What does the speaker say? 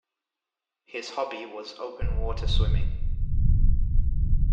His hobby was open-water swimming.